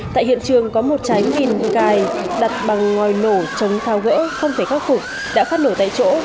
tại hiện trường có một trái nghìn bị cài đặt bằng ngòi nổ chống thao gỡ không thể khắc phục đã phát nổ tại chỗ